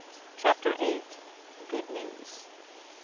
CHAPTER VIII. GOOD NEWS.